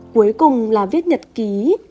cuối cùng là viết nhật ký